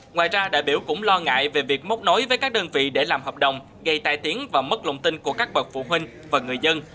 ngoài ra đại biểu cũng lo ngại về việc mốc nối với các đơn vị để làm hợp đồng gây tai tiếng và mất lòng tin của các bậc phụ huynh và người dân